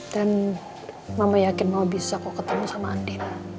dan mama yakin mama bisa kok ketemu sama andi